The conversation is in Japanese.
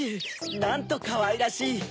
なんとかわいらしい！